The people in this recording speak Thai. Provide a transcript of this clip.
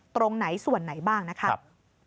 ตรงไหนส่วนไหนบ้างนะครับ